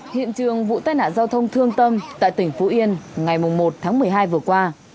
hiện trường vụ tai nạn giao thông thương tâm tại tỉnh phú yên ngày một tháng một mươi hai vừa qua